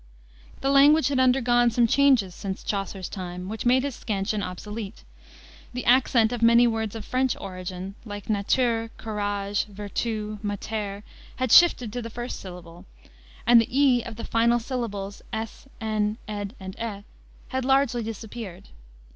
The language had undergone some changes since Chaucer's time, which made his scansion obsolete. The accent of many words of French origin, like natúre, couráge, virtúe, matére, had shifted to the first syllable, and the e of the final syllables ës, ën, ëd, and ë, had largely disappeared.